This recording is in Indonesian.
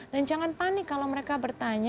dan jangan panik kalau mereka bertanya